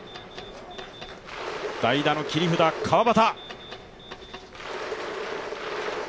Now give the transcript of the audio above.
代打の切り札、川端。